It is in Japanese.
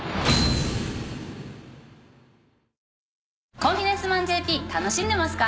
『コンフィデンスマンＪＰ』楽しんでますか？